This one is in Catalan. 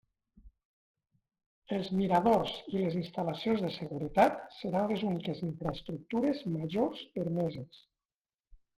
Els miradors i les instal·lacions de seguretat seran les úniques infraestructures majors permeses.